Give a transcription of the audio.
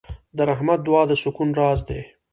د رحمت دعا د سکون راز دی.